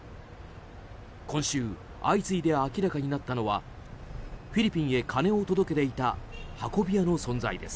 今週、相次いで明らかになったのはフィリピンへ金を届けていた運び屋の存在です。